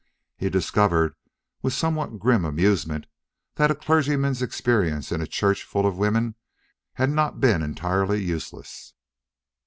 He discovered, with a somewhat grim amusement, that a clergyman's experience in a church full of women had not been entirely useless.